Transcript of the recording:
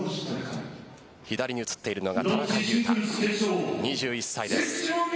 左に映っているのが田中佑汰２１歳です。